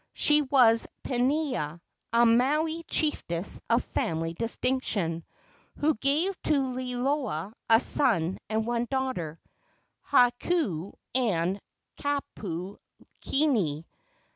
She was Pinea, a Maui chiefess of family distinction, who gave to Liloa a son and one daughter Hakau and Kapukini.